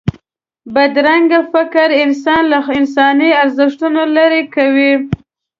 بدرنګه فکر انسان له انساني ارزښتونو لرې کوي